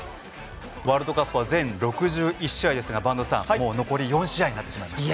ワールドカップは全６１試合ですが播戸さん残り４試合になってしまいました。